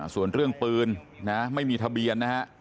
ส่วนเรื่องปืนนะไม่มีทะเบียนนะฮะ